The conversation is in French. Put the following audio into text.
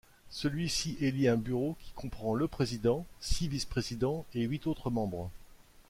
Celui-ci élit un bureau qui comprend le président, six vice-présidents et huit autres membres.